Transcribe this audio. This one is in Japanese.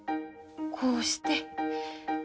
こうして。